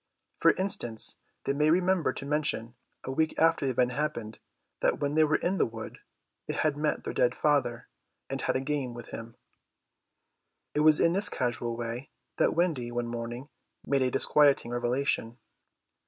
For instance, they may remember to mention, a week after the event happened, that when they were in the wood they had met their dead father and had a game with him. It was in this casual way that Wendy one morning made a disquieting revelation.